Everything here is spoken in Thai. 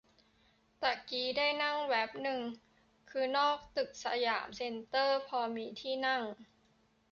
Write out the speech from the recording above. ตะกี้ได้นั่งแว๊บนึงคือนอกตึกสยามเซ็นเตอร์พอมีที่นั่ง